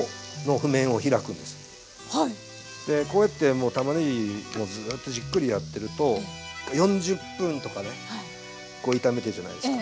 でこうやってたまねぎをずっとじっくりやってると４０分とか炒めてるじゃないですか。